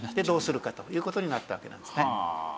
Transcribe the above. どうするかという事になったわけなんですね。